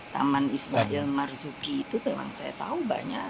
taman ismail marzuki itu memang saya tahu banyak